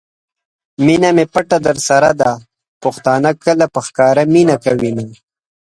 مینه می پټه درسره ده ؛ پښتانه کله په ښکاره مینه کوینه